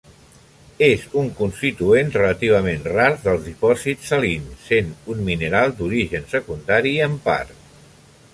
És un constituent relativament rar dels dipòsits salins, sent un mineral d'origen secundari en part.